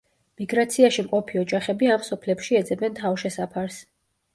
მიგრაციაში მყოფი ოჯახები ამ სოფლებში ეძებენ თავშესაფარს.